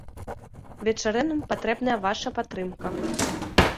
Вечарынам патрэбная вашая падтрымка!